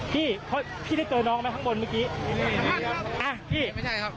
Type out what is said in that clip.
พี่เพราะพี่ได้เจอน้องไหมข้างบนเมื่อกี้อ่ะพี่ไม่ใช่ครับ